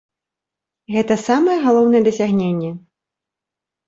Гэта самае галоўнае дасягненне.